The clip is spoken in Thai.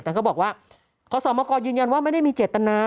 แต่ก็บอกว่าขอสอบมากรยืนยันว่าไม่ได้มีเจตนา